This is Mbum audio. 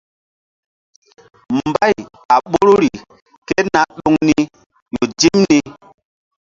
Mbay a ɓoruri ké na ɗoŋ ni ƴo dim ni.